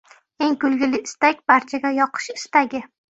Eng kulgili istak –barchaga yoqish istagi.